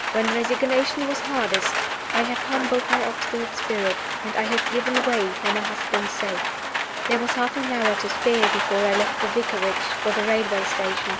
When resignation was hardest, I have humbled my obstinate spirit, and I have given way for my husband's sake." There was half an hour to spare before I left the vicarage for the railway station.